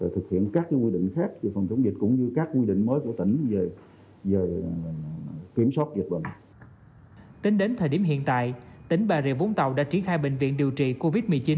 tính đến thời điểm mới tại tỉnh bà rịa vũng tàu đã triển khai bệnh viện điều trị covid một mươi chín